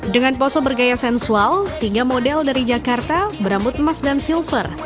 dengan pose bergaya sensual tiga model dari jakarta berambut emas dan silver